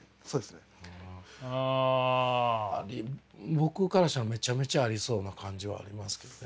僕からしたらめちゃめちゃありそうな感じはありますけどね。